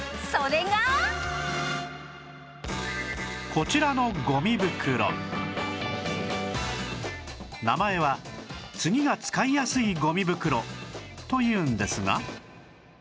こちらの名前は「次が使いやすいゴミ袋」というんですが